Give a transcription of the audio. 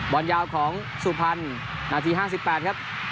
บอลยาวของสุพรรณนาที๕๘ครับ